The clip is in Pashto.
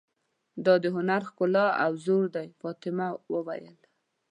دا د هنر ښکلا او زور دی، فاطمه وویل.